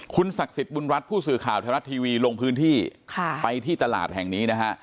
คุณศักดิ์สิทธิ์บุญรัฐผู้สื่อข่าวไทยรัฐทีวีลงพื้นที่ไปที่ตลาดแห่งนี้นะฮะ